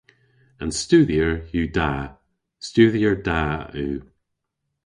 An studhyer yw da. Studhyer da yw.